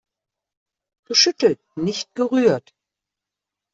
Geschüttelt, nicht gerührt!